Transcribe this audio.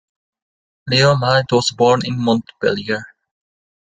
Leo Malet was born in Montpellier.